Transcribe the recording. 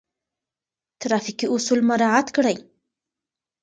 ترافیکي اصول مراعات کړئ.